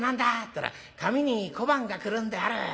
ったら『紙に小判がくるんである』。